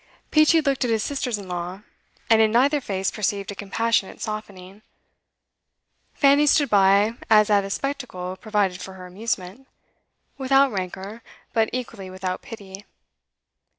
Peachey looked at his sisters in law, and in neither face perceived a compassionate softening. Fanny stood by as at a spectacle provided for her amusement, without rancour, but equally without pity.